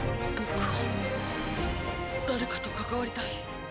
僕は誰かと関わりたい。